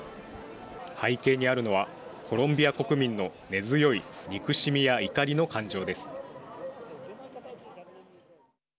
背景にあるのはコロンビア国民の根強い憎しみや怒りの感情です。